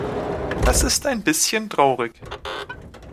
Das ist ein bisschen traurig.